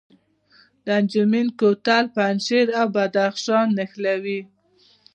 د انجمین کوتل پنجشیر او بدخشان نښلوي